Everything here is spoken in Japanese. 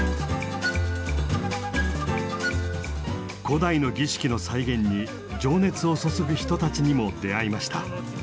古代の儀式の再現に情熱を注ぐ人たちにも出会いました。